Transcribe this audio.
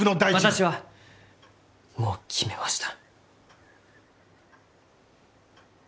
私はもう決めました。